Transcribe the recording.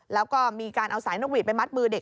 แล้วก็มีการเอาสายนกหวีดไปมัดมือเด็ก